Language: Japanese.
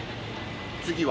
次は？